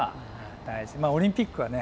オリンピックはね